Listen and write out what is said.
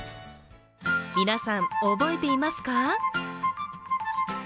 皆さん、覚えていますか？